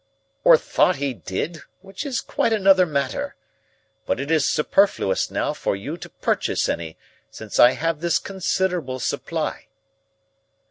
"Or thought he did, which is quite another matter. But it is superfluous now for you to purchase any, since I have this considerable supply."